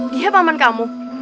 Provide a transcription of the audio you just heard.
dia paman kamu